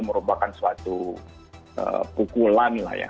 merupakan suatu pukulan lah ya